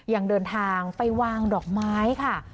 ยังเดินทางไปวางดอกไม้ค่ะ